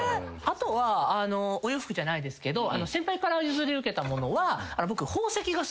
あとはお洋服じゃないですけど先輩から譲り受けたものは。